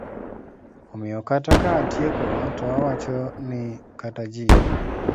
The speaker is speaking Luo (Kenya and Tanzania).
Omiyo kata ka atieko to awacho ni kata ji